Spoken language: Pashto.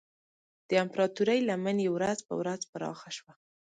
د امپراتورۍ لمن یې ورځ په ورځ پراخه شوه.